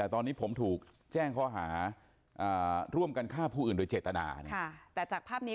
ตอนนี้กำลังจะโดดเนี่ยตอนนี้กำลังจะโดดเนี่ย